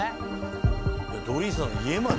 いやドリーさんの家まで。